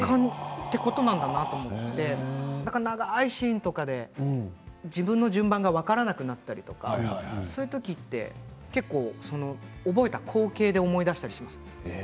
そういうことなんだなと思って、長いシーンで自分の順番が分からなくなったりとか、そういう時って結構、覚えた光景で思い出したりしますね。